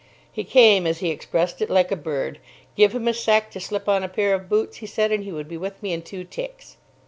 He came, as he expressed it, "like a bird." Give him a sec. to slip on a pair of boots, he said, and he would be with me in two ticks.